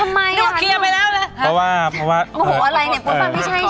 แม่บ้านประจันบัน